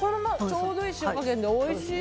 ちょうどいい塩加減でおいしい。